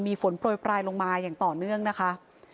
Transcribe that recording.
มีฝนโปรยปลายลงมาอย่างต่อเนื่องนะคะ